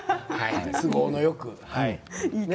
都合よく。